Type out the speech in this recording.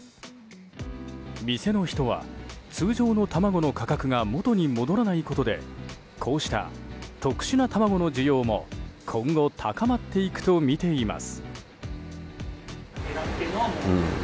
店の人は、通常の卵の価格が元に戻らないことでこうした特殊な卵の需要も今後高まっていくとみています。